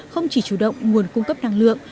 không chỉ chủ động nguồn cung cấp năng lượng